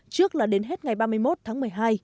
trước là đến hết ngày ba mươi một tháng một mươi hai